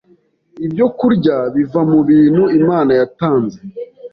’ibyokurya biva mu bintu Imana yatanze.